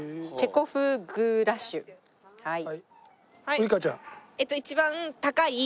ウイカちゃん。